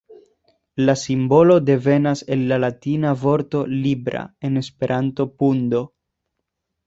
La simbolo devenas el la latina vorto "libra", en Esperanto "pundo".